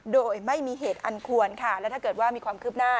โดยไม่มีเหตุอันควรค่ะและถ้าเกิดว่ามีความคืบหน้า